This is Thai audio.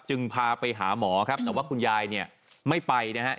จึงพาไปหาหมอครับแต่ว่าคุณยายไม่ไปนะครับ